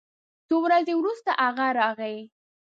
څو ورځې وروسته هغه راغی